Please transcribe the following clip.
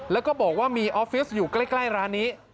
แล้วก็บอกว่ามีออฟฟิศอยู่ใกล้ร้านนี้